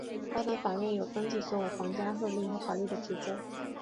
高等法院有登记所有皇家敕令和法律的职责。